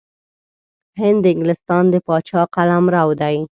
هند د انګلستان د پاچا قلمرو دی.